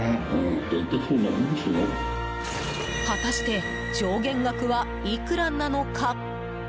果たして上限額はいくらなのか。